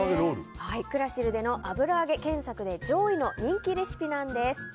クラシルでの油揚げ検索で上位の人気レシピなんです。